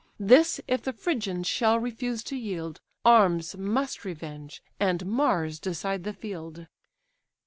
This if the Phrygians shall refuse to yield, Arms must revenge, and Mars decide the field."